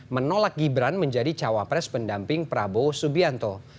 menolak gibran menjadi cawapres pendamping prabowo subianto